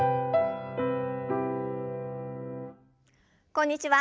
こんにちは。